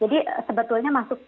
jadi sebetulnya masuk ke hospital